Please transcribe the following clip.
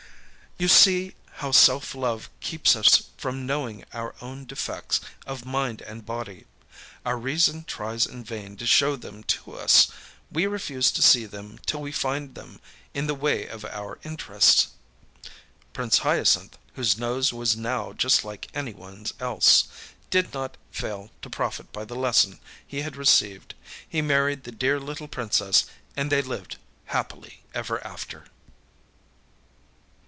You see how self love keeps us from knowing our own defects of mind and body. Our reason tries in vain to show them to us; we refuse to see them till we find them in the way of our interests.â Prince Hyacinth, whose nose was now just like anyoneâs else, did not fail to profit by the lesson he had received. He married the Dear Little Princess, and they lived happily ever after.